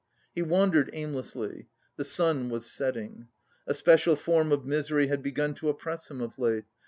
He wandered aimlessly. The sun was setting. A special form of misery had begun to oppress him of late.